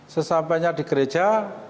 sesampainya di gereja